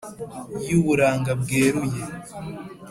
y'uburanga bweruye